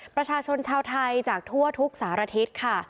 ประชาชนชาวไทยจากทั่วทุกสารทิศค่ะ